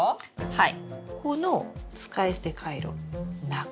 はい。